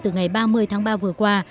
từ ngày ba mươi tháng ba vừa qua